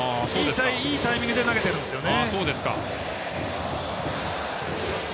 いいタイミングで投げてるんですよね。